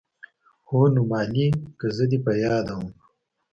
هو نو مالې که زه دې په ياده وم.